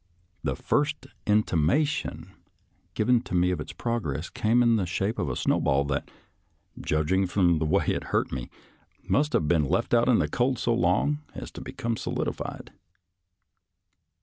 Tlie first intimation given me of its progress came in the shape of a snowball that, judging from the way it hurt me, must have been left out in the cold so long as to become solidified.